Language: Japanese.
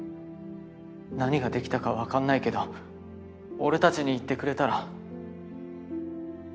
何ができたか分かんないけど俺たちに言ってくれたら。